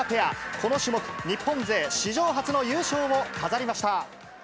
この種目、日本勢史上初の優勝を飾りました。